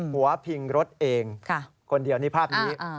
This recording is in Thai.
หัวพิงรถเองคนเดียวในภาพนี้